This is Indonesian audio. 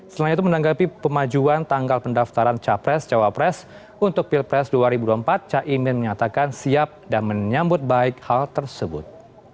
selain itu menanggapi pemajuan tanggal pendaftaran capres cawapres untuk pilpres dua ribu dua puluh empat caimin menyatakan siap dan menyambut baik hal tersebut